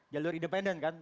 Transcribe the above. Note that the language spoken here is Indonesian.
jalur independen kan